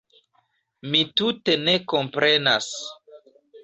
Mi tute ne komprenas.